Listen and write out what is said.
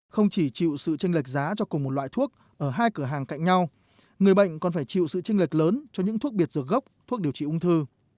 không chỉ chịu sự tranh lệch giá cho cùng một loại thuốc ở hai cửa hàng cạnh nhau người bệnh còn phải chịu sự tranh lệch lớn cho những thuốc biệt dược gốc thuốc điều trị ung thư